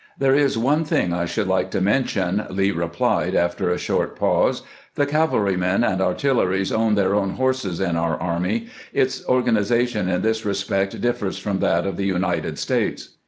" There is one thing I should like to mention," Lee replied, after a short pause. "The cavalrymen and artillerists own their own horses in our army. Its organization in this respect differs from that of the United States."